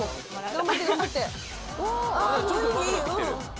ちょっといい。